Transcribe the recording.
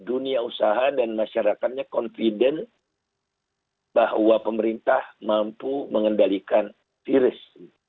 dan dunia usaha dan masyarakatnya confident bahwa pemerintah mampu mengendalikan virus